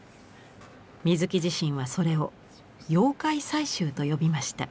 水木自身はそれを「妖怪採集」と呼びました。